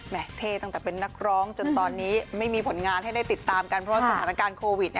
เท่ตั้งแต่เป็นนักร้องจนตอนนี้ไม่มีผลงานให้ได้ติดตามกันเพราะว่าสถานการณ์โควิด